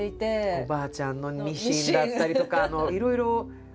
おばあちゃんのミシンだったりとかいろいろあるんですよね。